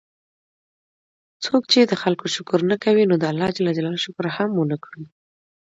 څوک چې د خلکو شکر نه کوي، نو ده د الله شکر هم ونکړو